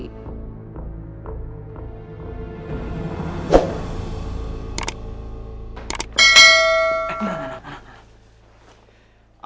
tunggu tunggu tunggu